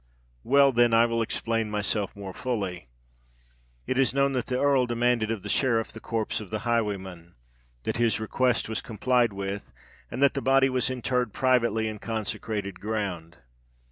Well, then I will explain myself more fully. It is known that the Earl demanded of the Sheriff the corpse of the highwayman—that his request was complied with—and that the body was interred privately in consecrated ground.